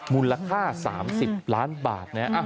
มูลค่า๓๐ล้านบาทนะ